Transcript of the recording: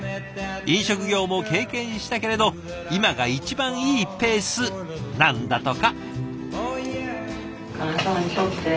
飲食業も経験したけれど今が一番いいペースなんだとか。